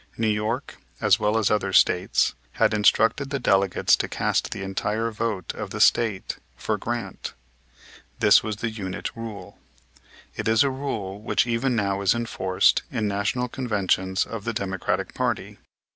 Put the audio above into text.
New York, as well as other States, had instructed the delegates to cast the entire vote of the State for Grant. This was the unit rule. It is a rule which even now is enforced in National Conventions of the Democratic party.